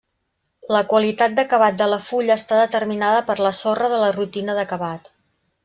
La qualitat d'acabat de la fulla està determinada per la sorra de la rutina d'acabat.